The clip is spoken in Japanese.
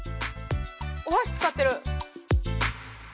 お箸使ってる。